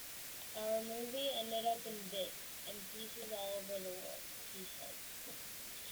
"Our movie ended up in bits and pieces all over the world," he said.